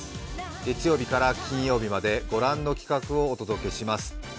月曜日から金曜日までご覧の企画をお届けします。